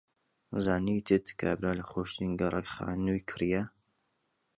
زانیتت کابرا لە خۆشترین گەڕەک خانووی کڕییە.